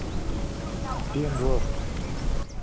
سپینرخ